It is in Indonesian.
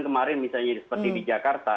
kemarin misalnya seperti di jakarta